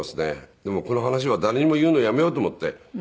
でもこの話は誰にも言うのやめようと思って。